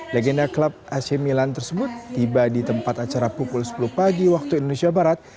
legenda klub ac milan tersebut tiba di tempat acara pukul sepuluh pagi waktu indonesia barat